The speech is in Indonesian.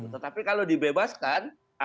tetapi kalau dibebaskan artinya itu tidak akan